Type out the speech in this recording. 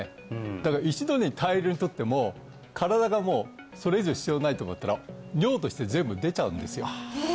だから一度に大量に取っても身体がもうそれ以上必要ないと思ったら尿として全部出ちゃうんですよへえ